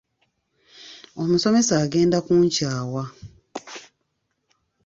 Omusomesa agenda kunkyawa.